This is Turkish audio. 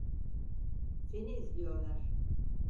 Seni izliyorlar.